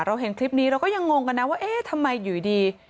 เห็นคลิปนี้เราก็ยังงงกันนะว่าเอ๊ะทำไมอยู่ดี